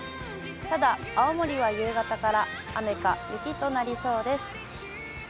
ただ、青森は夕方から、雨か雪となりそうです。